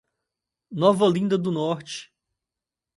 Nova Olinda do Norte